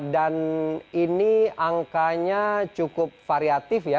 dan ini angkanya cukup variatif ya